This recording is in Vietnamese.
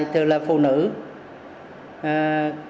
thường là phụ nữ thường là phụ nữ thường là phụ nữ